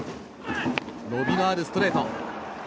伸びのあるストレート。